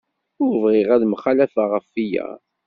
Ur bɣiɣ ad mxalafeɣ ɣef wiyaḍ.